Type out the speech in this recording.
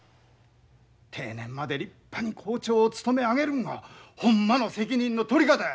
定年まで立派に校長を務め上げるんがほんまの責任の取り方や！